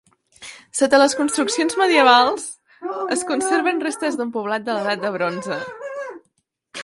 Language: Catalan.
Sota les construccions medievals, es conserven restes d'un poblat de l'edat de bronze.